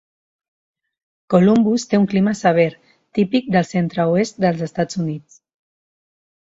Columbus té un clima sever, típic del centre-oest dels Estats Units.